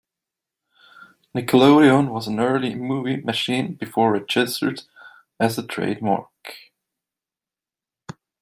"Nickelodeon" was an early movie machine before registered as a trademark.